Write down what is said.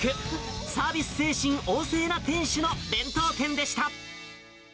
サービス精神旺盛な店主の弁当店でした。